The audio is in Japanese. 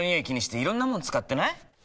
気にしていろんなもの使ってない？